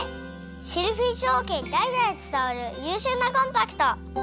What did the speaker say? シェルフィッシュおうけにだいだいつたわるゆうしゅうなコンパクト！